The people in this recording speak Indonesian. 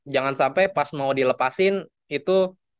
jangan sampai pas mau dilepasin itu